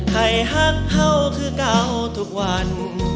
ให้หักเห่าคือเก่าทุกวัน